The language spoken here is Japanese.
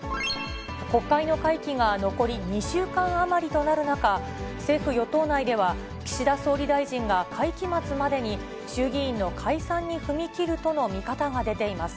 国会の会期が残り２週間余りとなる中、政府・与党内では、岸田総理大臣が会期末までに衆議院の解散に踏み切るとの見方が出ています。